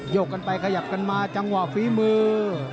กกันไปขยับกันมาจังหวะฝีมือ